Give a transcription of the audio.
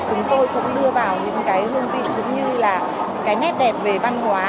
chúng tôi cũng đưa vào những cái hương vị cũng như là cái nét đẹp về văn hóa